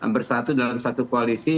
bersatu dalam satu koalisi